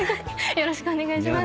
よろしくお願いします。